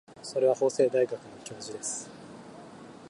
それは法政大学の教授です。